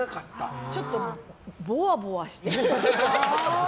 ちょっとぼわぼわしてて。